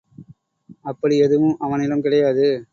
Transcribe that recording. அப்படி எதுவும் அவனிடம் கிடையாது.